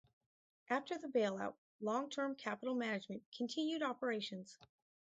After the bailout, Long-Term Capital Management continued operations.